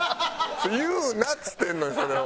言うなっつってんのにそれを。